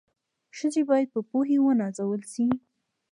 ښځي بايد په پوهي و نازول سي